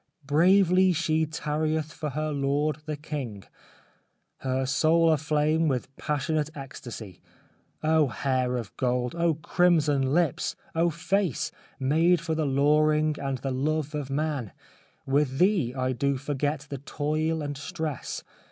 Bravely she tarrieth for her Lord, the King, Her soul a flame with passionate ecstasy. O Hair of Gold ! O Crimson Lips ! 0 Face ! Made for the luring and the love of man, With thee I do forget the toil and stress.